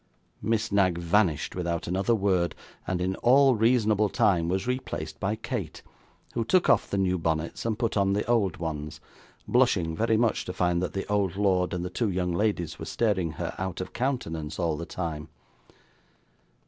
Miss Knag vanished without another word, and in all reasonable time was replaced by Kate, who took off the new bonnets and put on the old ones: blushing very much to find that the old lord and the two young ladies were staring her out of countenance all the time.